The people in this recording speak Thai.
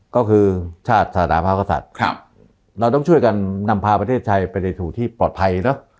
ก็คือชาติศาสนาพระกษัตริย์เราต้องช่วยกันนำพาประเทศไทยไปในสู่ที่ปลอดภัยเนอะ